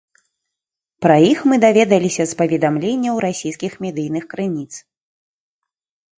Пра іх мы даведаліся з паведамленняў расійскіх медыйных крыніц.